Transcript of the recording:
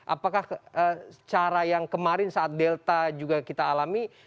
apakah cara yang kemarin saat delta juga kita alami